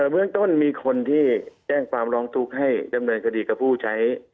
เบื้องต้นมีคนที่แจ้งความร้องทุกข์ให้ดำเนินคดีกับผู้ใช้